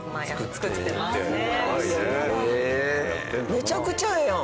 めちゃくちゃええやん。